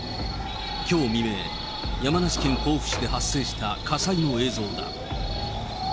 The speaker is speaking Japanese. きょう未明、山梨県甲府市で発生した火災の映像だ。